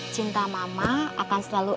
cinta mama akan selalu